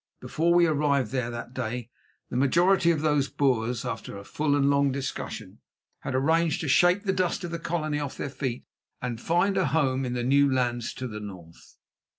Before we arrived there that day the majority of those Boers, after full and long discussion, had arranged to shake the dust of the Colony off their feet, and find a home in new lands to the north.